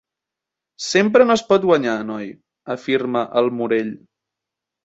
Sempre no es pot guanyar, noi —afirma el Morell.